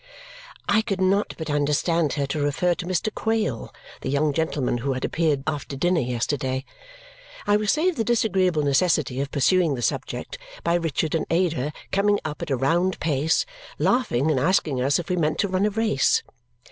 I could not but understand her to refer to Mr. Quale, the young gentleman who had appeared after dinner yesterday. I was saved the disagreeable necessity of pursuing the subject by Richard and Ada coming up at a round pace, laughing and asking us if we meant to run a race.